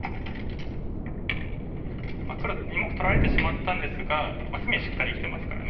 黒２目取られてしまったんですが隅しっかり生きてますからね。